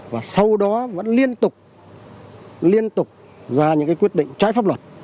và sau đó vẫn liên tục liên tục ra những quyết định trái pháp luật